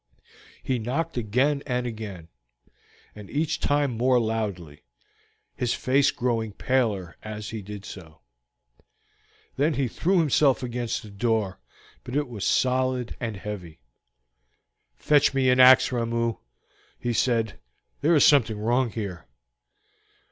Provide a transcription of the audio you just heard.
He knocked again and again, and each time more loudly, his face growing paler as he did so. Then he threw himself against the door, but it was solid and heavy. "Fetch me an ax, Ramoo," he said. "There is something wrong here."